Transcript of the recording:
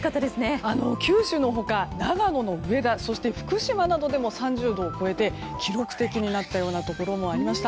九州の他、長野の上田そして福島などでも３０度を超えて記録的になったようなところもありました。